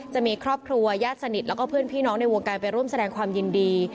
จะมีครอบครัวญาติสนิทแล้วก็เพื่อนพี่น้องในวงการไปร่วมแสดงความยินดี